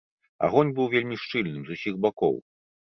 Агонь быў вельмі шчыльным з усіх бакоў.